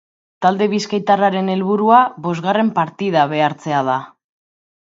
Talde bizkaitarraren helburua bosgarren partida behartzea da.